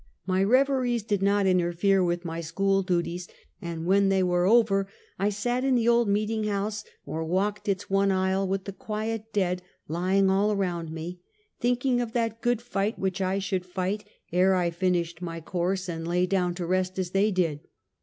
My rev eries did not interfere witli my school duties, and when they were over I sat in the old meeting house or walked its one aisle, with the quiet dead lying all around me, thinking of that good fight which I should fight, ere I finished my course, and lay down to rest as they did.